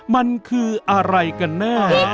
มันคืออะไรกันแน่